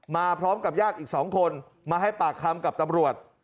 มาพร้อมกับญาติอีก๒คนมาให้ปากคำกับตำรวจ